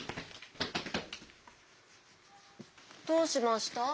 どうしました？